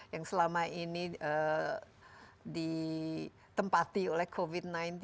yang selama ini ditempati oleh covid sembilan belas